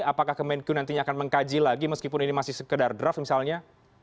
apakah kemenku nantinya akan mengkaji lagi meskipun ini masih sekedar draft misalnya